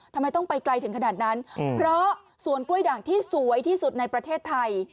ทำไมต้องไปไกลถึงขนาดนั้นเพราะสวนกล้วยด่างที่สวยที่สุดในประเทศไทย